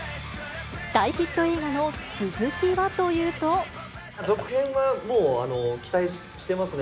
大ヒット映画の続きはという続編はもう期待してますね。